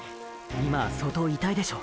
今相当痛いでしょ。